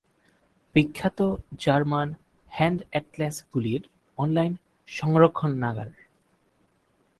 বিখ্যাত জার্মান হ্যান্ড-অ্যাটলেসগুলির অনলাইন সংরক্ষণাগার।